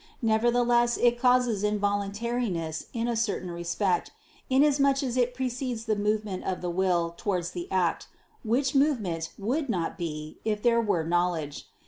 Nevertheless it causes involuntariness in a certain respect, inasmuch as it precedes the movement of the will towards the act, which movement would not be, if there were knowledge.